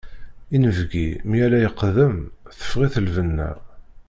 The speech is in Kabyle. Inebgi mi ara iqdem, teffeɣ-it lbenna.